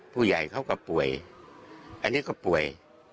ผู้ใหญ่เขาก็ป่วยอันนี้ก็ป่วย